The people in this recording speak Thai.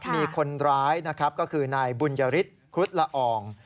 มีคนร้ายก็คือนายบุญญะริสครุฑละออง